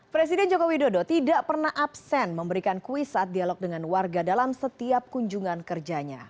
presiden jokowi dodo tidak pernah absen memberikan kuis saat dialog dengan warga dalam setiap kunjungan kerjanya